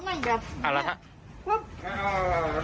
เอาล่ะค่ะ